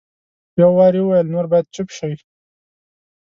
یو وار یې وویل نور باید چپ شئ.